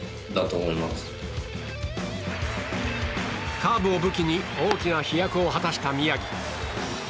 カーブを武器に大きな飛躍を果たした宮城。